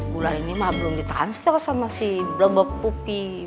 bulan ini mah belum ditransfer sama si blebek popi